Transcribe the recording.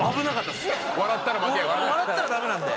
笑ったらダメなんで。